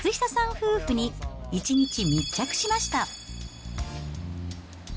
夫婦に、一日密着しました。